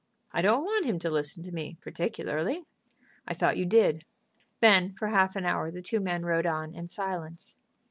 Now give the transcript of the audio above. "I don't want him to listen to me particularly." "I thought you did." Then for half an hour the two men rode on in silence.